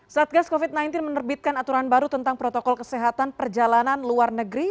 satgas covid sembilan belas menerbitkan aturan baru tentang protokol kesehatan perjalanan luar negeri